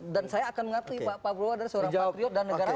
dan saya akan mengatakan pak prabowo adalah seorang patriot dan negara awam